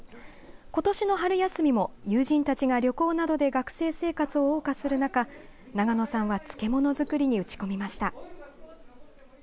ことしの春休みも友人たちが旅行などで学生生活をおう歌する中永野さんは漬物作りに打ち込みました。